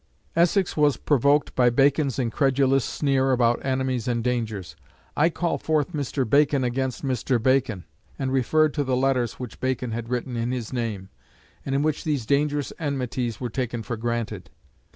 '" Essex was provoked by Bacon's incredulous sneer about enemies and dangers "I call forth Mr. Bacon against Mr. Bacon," and referred to the letters which Bacon had written in his name, and in which these dangerous enmities were taken for granted.